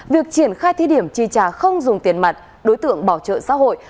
việc triển khai thí điểm tri trả không dùng tiền mặt đối tượng bảo trợ xã hội